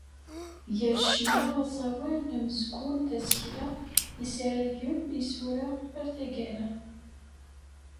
Gar ccna, aẓawan, amezgun, tasekla, isaragen, isura, ar taggara.